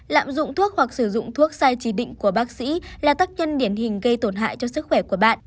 lạm dụng thuốc hoặc sử dụng thuốc sai chỉ định của bác sĩ là tác nhân điển hình gây tổn hại cho sức khỏe của bạn